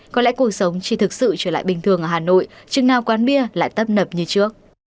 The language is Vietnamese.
có lẽ cuộc sống chỉ thực sự trở lại bình thường ở hà nội chừng nào quán bia lại tấp nập như trước